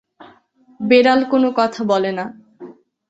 বেড়াল কোনো কথা বলে না।